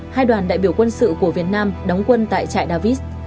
hai đoàn đại biểu quân sự của việt nam đóng quân tại trại davis